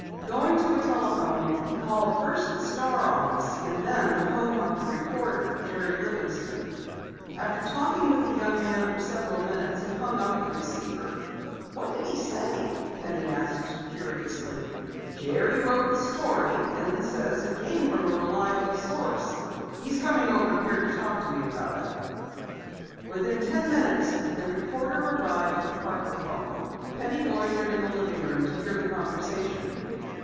Going to a telephone he called first the Star office and then the home of the reporter, Jerry Livingston. After talking with the young man several minutes, he finally hung up the receiver. "What did he say?" Penny asked curiously. "Jerry wrote the story, and says it came from a reliable source. He's coming over here to talk to me about it." Within ten minutes the reporter arrived at the Parker home. Penny loitered in the living room to hear the conversation.